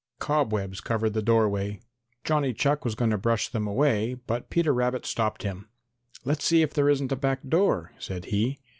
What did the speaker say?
Cobwebs covered the doorway. Johnny Chuck was going to brush them away, but Peter Rabbit stopped him. "Let's see if there isn't a back door," said he.